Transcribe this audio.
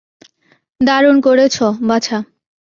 দারুন করেছো, বাছা।